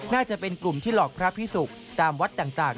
น่าจะเป็นกลุ่มที่หลอกพระพิสุกตามวัดต่าง